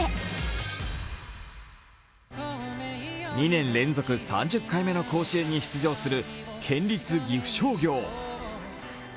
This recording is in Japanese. ２年連続３０回目の甲子園に出場する県立岐阜商業。